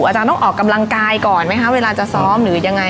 อาจารย์ต้องออกกำลังกายก่อนไหมคะเวลาจะซ้อมหรือยังไง